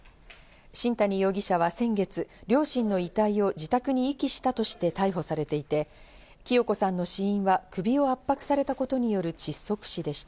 新谷容疑者は先月、両親の遺体を自宅に遺棄したとして逮捕されていて、清子さんの死因は首を圧迫されたことによる窒息死でした。